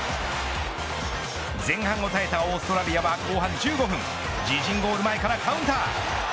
前半を耐えたオーストラリアは後半１５分自陣ゴール前からカウンター。